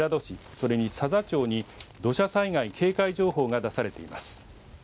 それに佐々町に土砂災害警戒情報が出されています。